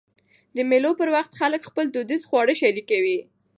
د مېلو پر وخت خلک خپل دودیز خواړه شریکوي.